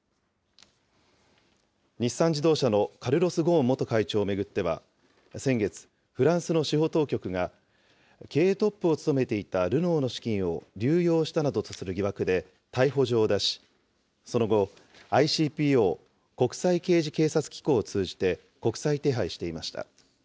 日産自動車のカルロス・ゴーン元会長を巡っては、先月、フランスの司法当局が経営トップを務めていたルノーの資金を流用したなどとする疑惑で逮捕状を出し、その後、ＩＣＰＯ・国際刑事警察機構を通じて、国際手配していました。